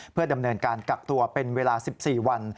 เพื่อดำเนินการกักตัวเป็นเวลา๑๔วัน